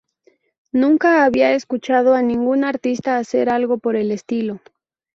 Nunca había escuchado a ningún artista hacer algo por el estilo.